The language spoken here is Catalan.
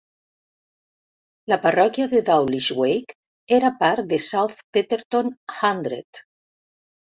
La parròquia de Dowlish Wake era part de South Petherton Hundred.